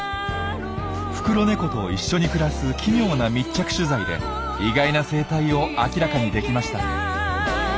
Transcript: フクロネコと一緒に暮らす奇妙な密着取材で意外な生態を明らかにできました。